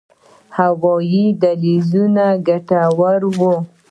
آیا هوایي دهلیزونه ګټور وو؟